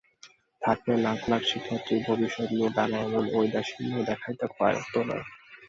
থাকলে লাখ লাখ শিক্ষার্থীর ভবিষ্যৎ নিয়ে তারা এমন ঔদাসীন্য দেখাতে পারত না।